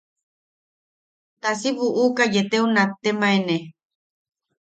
Ta si buʼuka yeeteu nattemaene.